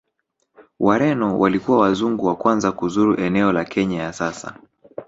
Wareno walikuwa Wazungu wa kwanza kuzuru eneo la Kenya ya sasa